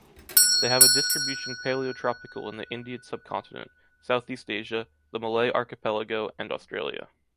They have a distribution paleotropical in the Indian sub-continent, Southeast Asia, the Malay Archipelago and Australia.